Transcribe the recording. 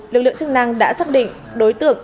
lực lượng chức năng đã xác định đối tượng